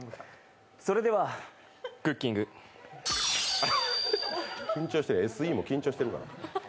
それではクッキングＳＥも緊張してるから。